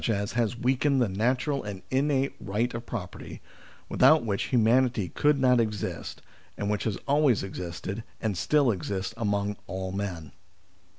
has weakened the natural and innate right of property, without which humanity could not exist, and which has always existed and still exists among all men.